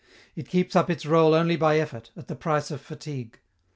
It keeps up its rôle only by effort, at the price of fatigue.